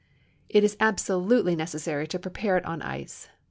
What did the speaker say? It is absolutely necessary to prepare it on ice.